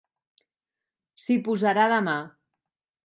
S'hi posarà demà.